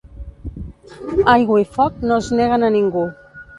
Aigua i foc no es neguen a ningú.